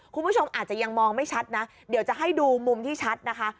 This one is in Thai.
คุณผู้ชมอาจจะยังมองไม่ชัดนะเดี๋ยวจะให้ดูมุมที่ชัดนะคะ